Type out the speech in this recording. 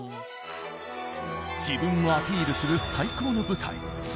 自分をアピールする最高の舞台。